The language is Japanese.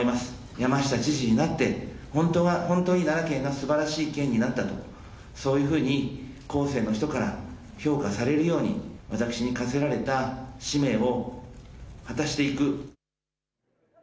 山下知事になって、本当に奈良県がすばらしい県になった、そういうふうに後世の人から評価されるように、私に課せられた使命を果たしていく。